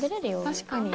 確かに。